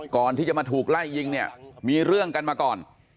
ก่อนที่จะมาถูกไล่ยิงเนี่ยมีเรื่องกันมาก่อน